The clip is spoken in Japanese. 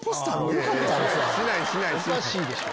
おかしいでしょ。